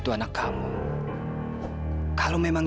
sekarang kalau kamu mau kembali